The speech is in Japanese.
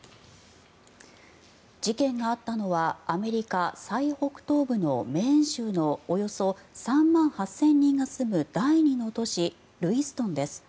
事件があったのはアメリカ最北東部のメーン州のおよそ３万８０００人が住む第２の都市ルイストンです。